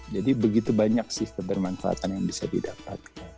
jadi begitu banyak sih kebermanfaatan yang bisa didapat